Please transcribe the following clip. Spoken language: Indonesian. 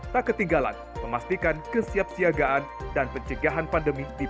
tak ketinggalan memastikan kesiapsiagaan dan pencegahan pandemi